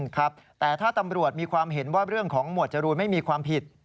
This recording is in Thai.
ครับแต่ถ้าตำรวจมีความเห็นว่าเรื่องของหมวดจรูนไม่มีความผิด